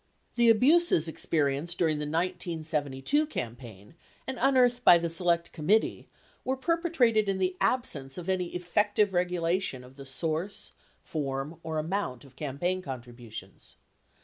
The abuses experienced during the 1972 campaign and unearthed by the Select Committee were perpetrated in the absence of any effective regulation of the source, form, or amount of campaign contributions.